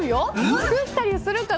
作ったりするから。